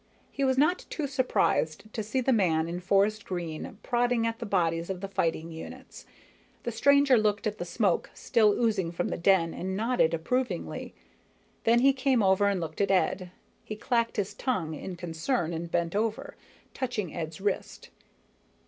He was not too surprised to see the man in forest green prodding at the bodies of the fighting units. The stranger looked at the smoke still oozing from the den and nodded approvingly. Then he came over and looked at Ed. He clacked his tongue in concern and bent over, touching Ed's wrist.